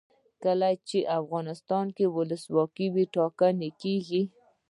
کله چې افغانستان کې ولسواکي وي ټاکنې کیږي.